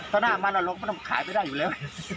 เพราะหน้ามันเราก็ต้องขายไปได้อยู่แล้ว